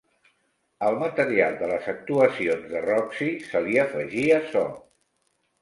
Al material de les actuacions de Roxy se li afegia so.